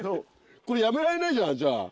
これやめられないじゃんじゃあ。